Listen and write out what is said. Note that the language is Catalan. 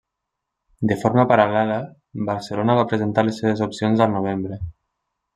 De forma paral·lela, Barcelona va presentar les seves opcions al novembre.